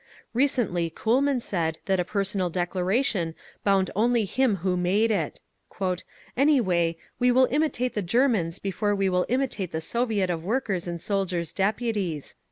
Recently Kuhlman said that a personal declaration bound only him who made it…. "Anyway, we will imitate the Germans before we will imitate the Soviet of Workers' and Soldiers' Deputies…."